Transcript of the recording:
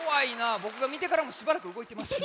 ぼくがみてからもしばらくうごいてましたよ。